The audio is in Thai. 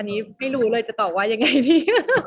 อันนี้พี่รู้เลยจะตอบว่ายังไงพี่